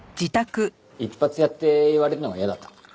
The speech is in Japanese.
一発屋って言われるのが嫌だった。